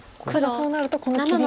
そうなるとこの切りが。